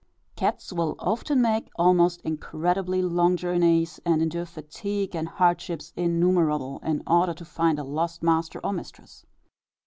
Cats will often make almost incredibly long journeys, and endure fatigue and hardships innumerable in order to find a lost master or mistress.